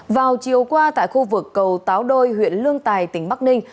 vào chiều qua tại khu vực cầu táo đôi huyện lương tài tỉnh bắc ninh